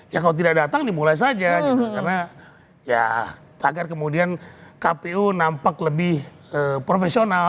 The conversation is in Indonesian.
ya kalau tidak datang dimulai saja karena ya agar kemudian kpu nampak lebih profesional